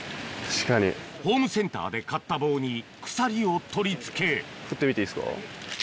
ホームセンターで買った棒に鎖を取り付け振ってみていいですか？